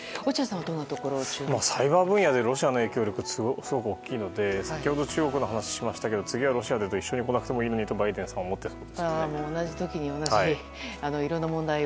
今、サイバー分野でロシアの影響力はすごく大きいので先ほど中国の話をしましたけど、次はロシアで一緒に来なくてもいいのにと同じ時に、いろんな問題が。